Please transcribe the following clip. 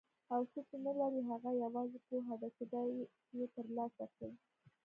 او څه چې نه لري هغه یوازې پوهه ده چې باید یې ترلاسه کړي.